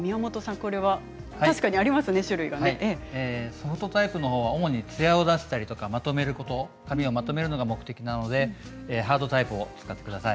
ソフトタイプは主にツヤを出したりまとめること髪をまとめるのが目的なのでハードタイプを使ってください。